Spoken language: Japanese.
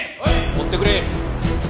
追ってくれ。